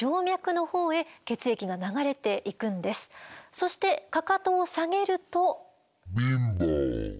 そしてかかとを下げると。